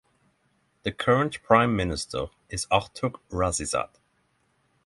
The current prime minister is Artur Rasizade.